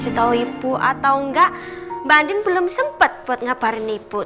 gak kasih tau ibu atau enggak mbak andin belum sempet buat ngaparin ibu